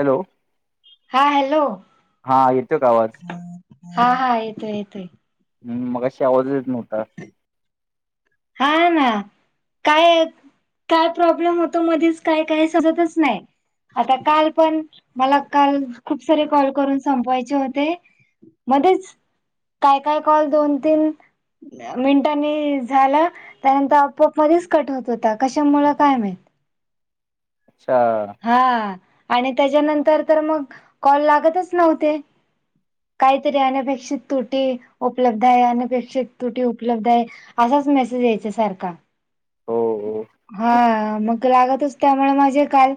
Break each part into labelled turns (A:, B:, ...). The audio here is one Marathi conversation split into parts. A: हॅलो.
B: हा हॅलो.
A: हा येतोय का आवाज?
B: हा हा येतोय येतय.
A: ह् मघाशी आवाजच येत नव्हता.
B: ह हा ना काय काय प्रॉब्लेम होतो मधीच काय काय सजतच नाही. आता काल पण मला काल खूप सारे कॉल करून संपवायचे होते. मध्येच काय काय कॉल दोन तीन मिनटांनी झालं त्यानंतर आपआप मध्येच कट होत होता कशा मुळ काय माहित?
A: अच्छा.
B: हा आणि त्याच्यानंतर तर मग कॉल लागतच नव्हते. काहीतरी अनपेक्षित त्रुटी उपलब्ध आहे अनपेक्षित तुटी उपलब्ध आहे. असाच मेसेज या्यायच्या सारखा.
A: हो. हो
B: हा मग लागतच त्यामुळे माझे काल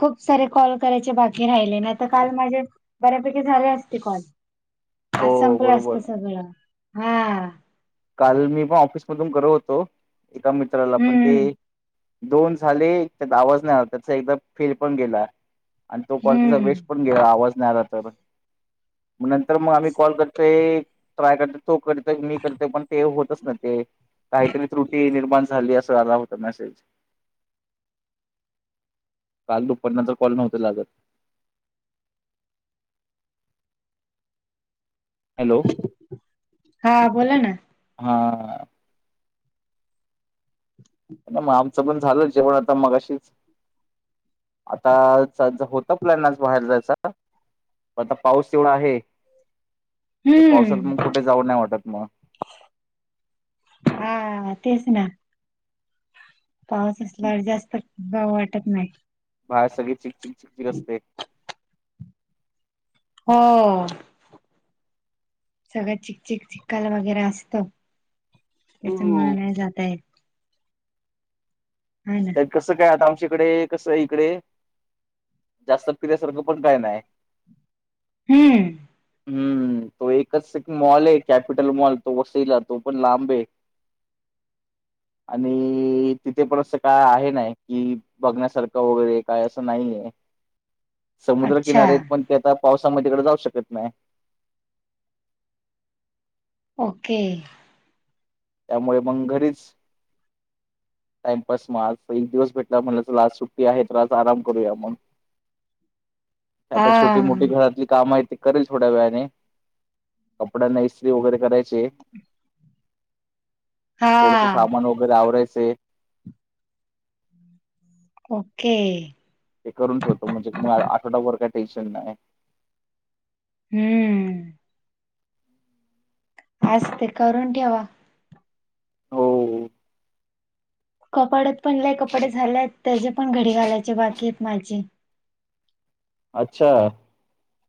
B: खूप सारे कॉल करायचे बाकी राहिले नाही आता काल माझे बऱ्यापैकी झाले असते कॉल. ह
A: हो
B: संपलं असत
A: बरोबर
B: सगळं हा
A: काल मी पण ऑफिसमधून कर होतो एका मित्राला पण ते
B: हम्म
A: दोन झाले त्यात आवाज नाही आला त्याचा एकदम फेल पण गेला आणि तो क्वालिटीचा
B: हम्म
A: वेस्ट पण गे आवाज नाही राहता पण मग नंतर मग आम्ही कॉल करतोय ट्राय करत तो करत मी करते पण ते होतच ना ते काहीतरी त्रुटी निर्माण झाली असं आला होत नाे काल दुपटनंतर कॉल नव्हते लागत हॅलो
B: हा बोला ना
A: हा
B: ह
A: मग आमचं पण झालं जेवण आता मग अशीच आता होत प्लॅन आज बाहेर जायचा आता पाऊस तेवढा आहे ते पावसात मग
B: हम्म
A: कुठे जाऊं नाही वाटत मग
B: हा तेच ना पाऊस असल्यावर जास्त गव वाटत नाही.
A: बाहेर सगळे चिकचिक चिकचिक असते.
B: हो. सगळं चिकचिक चिककाल वगैरे असतं. त्याचा मुळे नाही जाता येत. ना
A: त्यात कसं काय आ आमच्याकडे कसं इकडे जास्त फि्यासारखं पण काय नाही
B: हम्म
A: हम्म तो एकच एक मॉल आहे कॅपिटल मॉल तो वसईला तो पण लांब आहे आणि तिथे परत काय आहे ना कि बघण्यासारखं वगैरे काय असं नाही आहे
B: अच्छा
A: समुद्रकिनारे आहेत पण ते आता पावसामध्येकडे जाऊ शकत नाही
B: ओके
A: त्यामुळे मग घरीच टाइमपास मग आज एक दिवस भेटला म्ह लाज सुट्टी आहे तर आज आराम करूया मग
B: हा
A: आता छोटी मोठी घरातली काम आहेत करेल थोड्या वेळाने कपडा नैस्त्री वगैरे करायचे
B: हा
A: थोडसे सामान वगैरे आवरायचे
B: ओके
A: ते करून ठेवतो म्हणजे मग आठवडा वर काय टेन्शन नाही
B: हम्म हस् ते करून ठेवा
A: हो हो
B: कपाड्यात पण ल कपडे झाले आहेत त्याचे पण घडी घालायचे बाकी आहेत माझे
A: अच्छा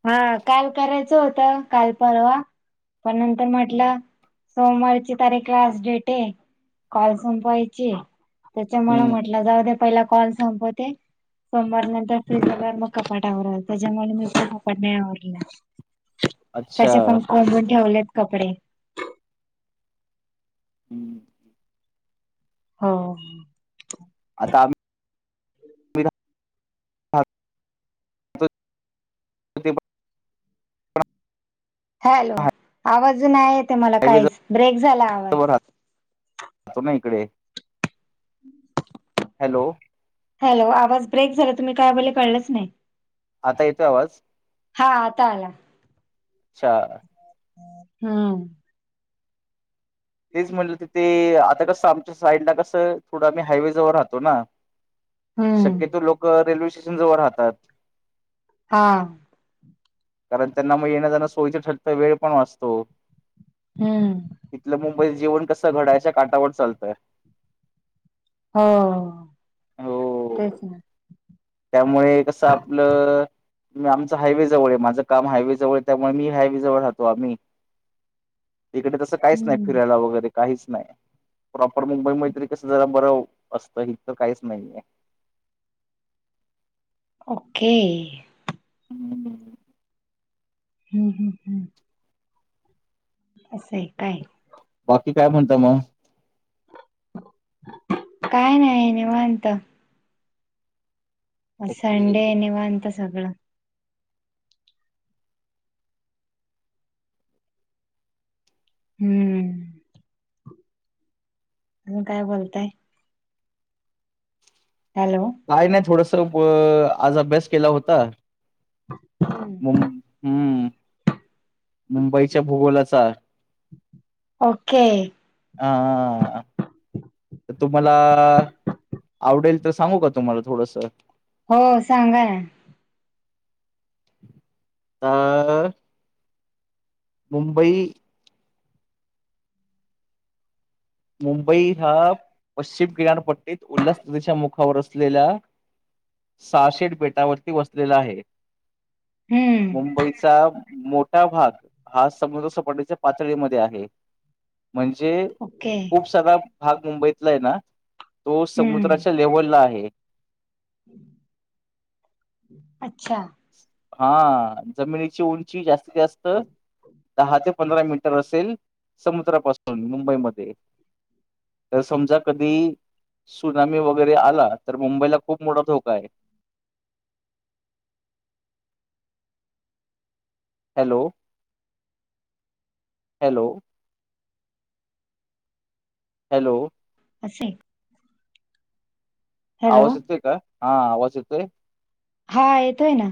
B: हा काल करायचं होतं काल परवा पण नंतर म्हटलं सोमवारची तारीख क्लास डेट आहे कॉल संपवायची त्याच्यामुळ
A: हम्म
B: म्हटलं जाऊ ते पहिला कॉल संपवते सोमवार नंतर फ्रीज झाल्यावर मग कपाटावर त्याच्यामुळे मी पण नाही आवडलं
A: अच्छा
B: कसे
A: हम्म
B: पण कोंबून ठेवलेत कपडे
A: हम्म
B: हो
A: आता आम्ही राहतो ते
B: हॅलो आवाज नाही येत मला
A: हायवे
B: काहीच ब्रेक झालाय आवाज
A: तुम्ही इकडे हॅलो
B: हॅलो आवाज ब्रेक झाला तुम्ही काय बोलले कळलंच नाही
A: आता येतोय आवाज
B: हा आता आला
A: अच्छा
B: हम्म
A: तेच म्हणलं तिथे आता कसं आमच्या साईडला कसं थोड आम्ही हायवे जवळ राहतो ना
B: हम्म
A: तिथून लोक रेल्वे स्टेशन जवळ राहतात
B: हा
A: कारण त्यांना मग येण्याजाण्याच सोयीच ठरत वेळ पण वाचतो
B: हम्म
A: इथलं मुंबईच जीवन कसं घड्याळाच्या काटावर चालत
B: हो तेच
A: हो.
B: ना
A: त्यामुळे कसं आपलं नाही आमचं हायवे जवळ आहे माझं काम हायवेजवळ त्यामुळे मी हायवेजवळ राहतो आम्ही इकडे तसं काहीच नाही
B: हम्म
A: फिरायला वगैरे काहीच नाही प्रॉपर मुंबई मैत्री कस जरा बरं असतं हिथ काहीच नाहीये
B: ओके
A: हम्म हम्म
B: हम्म हम्म हम्म असं आहे काय
A: बाकी काय म्हणता मग
B: काय नाही निवांत आज
A: ओके,
B: संडे आहे निवांत सगळं हम्म मग काय बोलताय हॅलो
A: काय नाही थोडस अ आज अभ्यास केला होता हम्म हम्म मुंबईच्या भूगोलाचा आहे
B: ओके
A: हा तर तुम्हाला आवडेल तर सांगू का तुम्हाला थोडस
B: हो सांगा ना
A: अ मुंबई मुंबई हा पश्चिम किनारपट्टीत उल्हास नदीच्या मुखावर असलेला सहाशेठ बेटावरती वसलेला आहे
B: हम्म
A: मुंबईचा मोठा भाग हा समुद्र सपाटीच्या पातळीमध्ये आहे म्हणजे
B: ओके
A: खूप सगळा भाग मुंबईतला आहे ना तो
B: हम्म
A: समुद्राच्या लेव्हलला आहे
B: अच्छा
A: हा जमिनीची उंची जास्तीत जास्त दहा ते पंधरा मीटर असेल समुद्रापासून मुंबईमध्ये तर समजा कधी सुनामी वगैरे आला तर मुंबईला खूप मोठा धोका आहे हॅलो हॅलो. हॅलो.
B: असे. हॅलो
A: आवाज येतोय का? हा आवाज येतोय?
B: हा येतोय ना.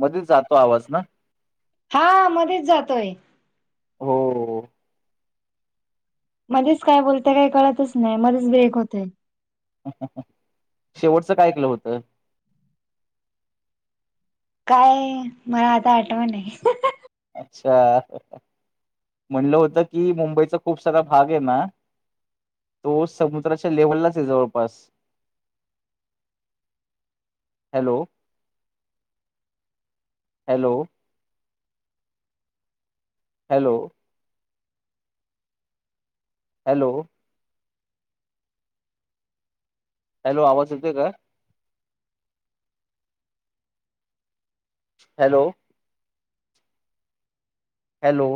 A: मध्ये जातो आवाज ना?
B: हां. मधेच जातोय.
A: हो.
B: मध्येच काय बोलता काही कळतच नाही मध्येच ब्रेक होतय.
A: शेवटचं काय केलं होतं?
B: काय? मला आता आठवं नाय.
A: अच्छा. म्हणलं होतं की मुंबईचा खूप सारा भाग आहे ना तो समुद्राच्या लेव्हललाच आहे जवळपास. Hello hello. Hello. Hello. Hello आवाज येतोय काय? हॅलो. हॅलो.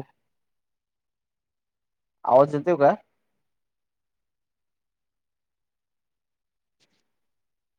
A: आवाज येतोय का?